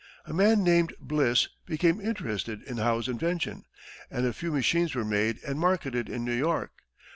A man named Bliss became interested in Howe's invention, and a few machines were made and marketed in New York.